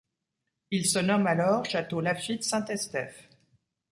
Il est se nomme alors Château Laffitte Saint-Estèphe.